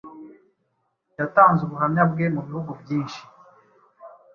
yatanze ubuhamya bwe mu bihugu byinshi